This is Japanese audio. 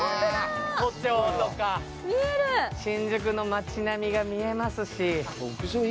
都庁とか、新宿の街並みが見えますし。